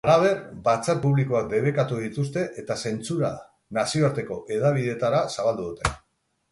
Halaber, batzar publikoak debekatu dituzte eta zentsura nazioarteko hedabideetara zabaldu dute.